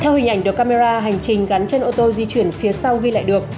theo hình ảnh được camera hành trình gắn trên ô tô di chuyển phía sau ghi lại được